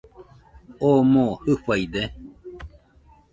¿Oo moo jɨfaide?